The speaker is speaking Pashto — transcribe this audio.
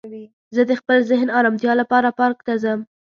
زه د خپل ذهن ارامتیا لپاره پارک ته ځم